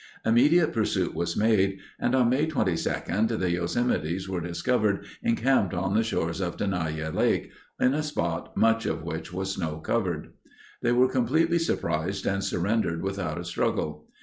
Immediate pursuit was made, and on May 22 the Yosemites were discovered encamped on the shores of Tenaya Lake in a spot much of which was snow covered. They were completely surprised and surrendered without a struggle.